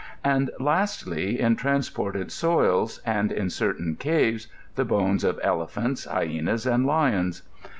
t and, lastly, in transported soiLs, and in certain caves, the bones of elephants, hyenas, and lions.